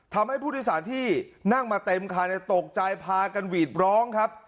ทำให้ผู้โดยสารที่นั่งมาเต็มคันตกใจพากันหวีดร้องครับ